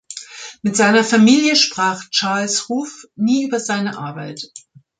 Mit seiner Familie sprach Charles Ruff nie über seine Arbeit.